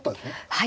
はい。